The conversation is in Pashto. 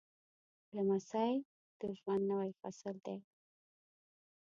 لمسی د ژوند نوی فصل دی.